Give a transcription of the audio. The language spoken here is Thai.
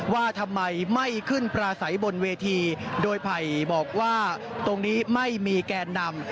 ว่าทำไมไม่ขึ้นปลาใสบนเวทีโดยไผ่บอกว่าตรงนี้ไม่มีแกนนำ